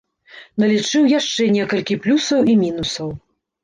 Налічыў яшчэ некалькі плюсаў і мінусаў.